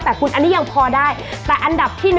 แต่อันนี้ยังพอได้